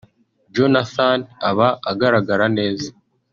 Jonathan aba agaragara neza